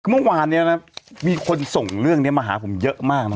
เมื่อวานนี้นะมีคนส่งเรื่องนี้มาหาผมเยอะมากนะ